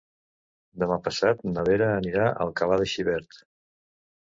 Demà passat na Vera anirà a Alcalà de Xivert.